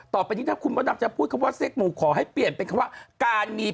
ต่อไปนี้ถ้าคุณมดดำจะพูดคำว่าเซ็กหมู่ขอให้เปลี่ยนเป็นคำว่าการมี